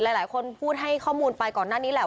หลายคนพูดให้ข้อมูลไปก่อนหน้านี้แหละ